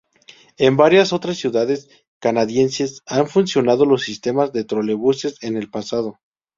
En varias otras ciudades canadienses han funcionado los sistemas de trolebuses en el pasado.